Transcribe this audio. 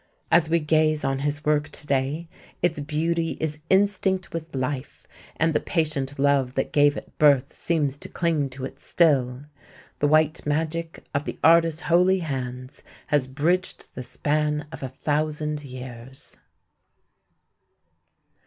As we gaze on his work today its beauty is instinct with life, and the patient love that gave it birth seems to cling to it still. The white magic of the artist's holy hands has bridged the span of a thousand years.